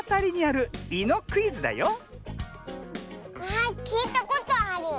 あきいたことある。